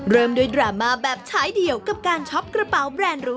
เริ่มด้วยดราม่าแบบฉายเดียวกับการช็อปกระเป๋าแบรนด์รู้